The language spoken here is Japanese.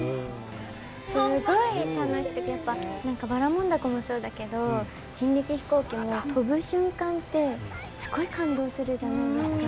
すごい楽しくてやっぱ何かばらもん凧もそうだけど人力飛行機も飛ぶ瞬間ってすごい感動するじゃないですか。